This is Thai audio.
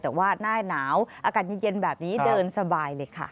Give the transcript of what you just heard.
แต่ว่าหน้าหนาวอากาศเย็นแบบนี้เดินสบายเลยค่ะ